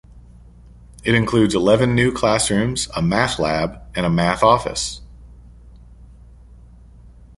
It includes eleven new classrooms, a math lab, and a math office.